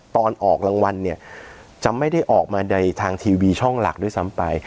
ตอนออกรางวัลเนี่ยจะไม่ได้ออกมาในทางทีวีช่องหลักด้วยซ้ำไป